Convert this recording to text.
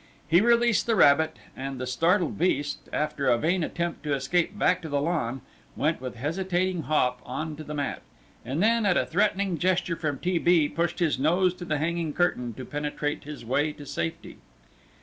He released the rabbit, and the startled beast, after a vain attempt to escape back to the lawn, went with hesitating hop on to the mat, and then, at a threatening gesture from T. B., pushed his nose to the hanging curtain to penetrate his way to safety.